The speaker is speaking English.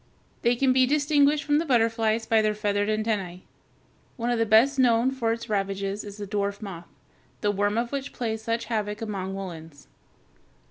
They can be distinguished from the butterflies by their feathered antennæ. One of the best known for its ravages is the dwarf moth, the worm of which plays such havoc among woolens.